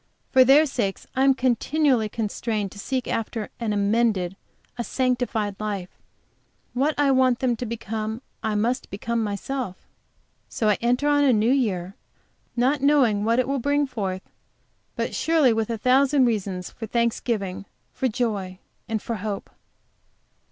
For their sakes I am continually constrained to seek after an amended, a sanctified life; what I want them to become I must become myself. So I enter on a new year, not knowing what it will bring forth, but surely with a thousand reasons for thanksgiving, for joy, and for hope.